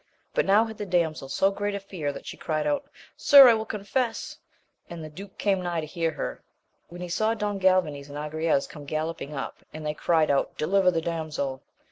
But now had the damsel so great a fear, that she cried out, Sir, I will confess ! and the duke came nigh to hear her, when he saw Don Galvanes and Agrayes come galloping up, and they cried out, deliver the damsel